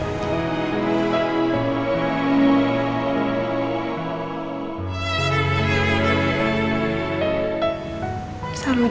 dan juga akan kuat ngadepinnya